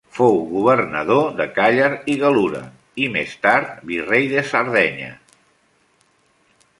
Fou governador de Càller i Gal·lura i, més tard, virrei de Sardenya.